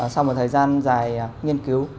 sau một thời gian dài nghiên cứu